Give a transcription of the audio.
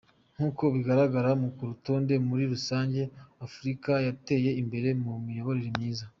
Nk’uko bigaragara mu rutonde, muri rusange Afurika yateye imbere mu miyoborere myiza.